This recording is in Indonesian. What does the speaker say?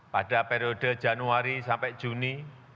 pada periode januari sampai juni dua ribu dua puluh